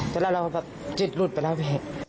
แต่ละเราจิตหลุดไปแล้ว